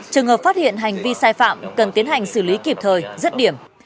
trường hợp phát hiện hành vi sai phạm cần tiến hành xử lý kịp thời rất điểm